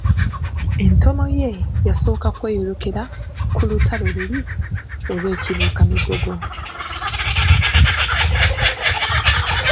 Entomo ye yasooka kweyolekera ku lutalo luli olw'Ekibuuka-migogo.